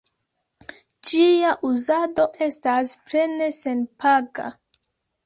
Ĝia uzado estas plene senpaga.